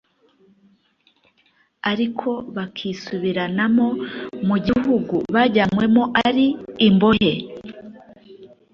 ariko bakisubiriramo mu gihugu bajyanywemo ari imbohe,